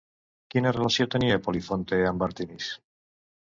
Quina relació tenia Polifonte amb Àrtemis?